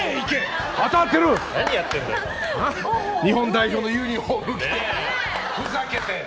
日本代表のユニホームを着てふざけて。